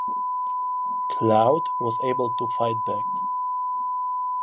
Cloud was able to fight back.